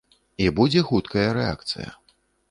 І будзе хуткая рэакцыя.